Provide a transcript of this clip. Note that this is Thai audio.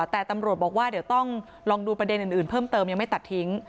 แต่ตำรวจบอกว่าเดี๋ยวต้องลองดูประเด็นอื่นเพิ่มเติมยังไม่ตัดทิ้ง